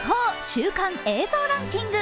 週間映像ランキング。